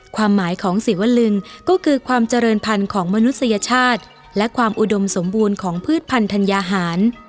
ความหมายของศิวลึงก็คือความเจริญพันธุ์ของมนุษยชาติและความอุดมสมบูรณ์ของพืชพันธัญญาหาร